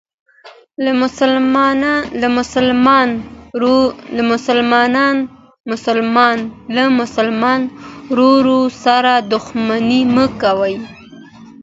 له مسلمان ورور سره دښمني مه کوئ.